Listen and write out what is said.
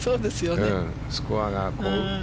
スコアが。